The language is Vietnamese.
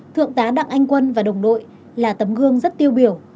thượng tá đặng anh quân và đồng đội là tấm gương rất tiêu biểu